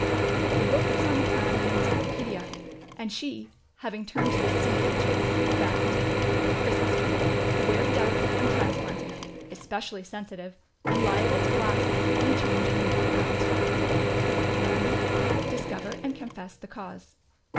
The book was on the plan of an encycloj)O0dia, and she, having turned to the ch's/' found : Christmas trees — very delicate when transplanted, especially sensitive, and liable to blast at any change in the moral atmosphere. Keniedy : discover and confess the cause."